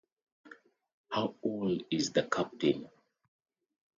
How old is the captain?